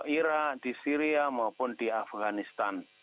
ira di syria maupun di afganistan